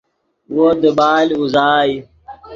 وو دیبال اوزائے